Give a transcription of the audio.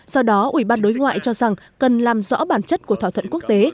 do đó ủy ban đối ngoại cho rằng cần làm rõ bản chất của thỏa thuận quốc tế